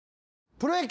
プロ野球！